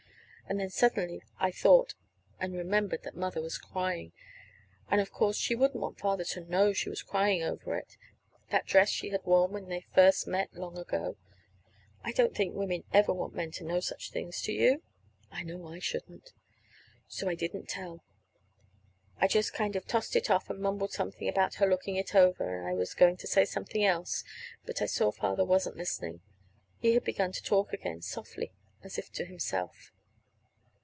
And then suddenly I thought and remembered that Mother was crying. And, of course, she wouldn't want Father to know she was crying over it that dress she had worn when he first met her long ago! (I don't think women ever want men to know such things, do you? I know I shouldn't!) So I didn't tell. I just kind of tossed it off, and mumbled something about her looking it over; and I was going to say something else, but I saw that Father wasn't listening. He had begun to talk again, softly, as if to himself.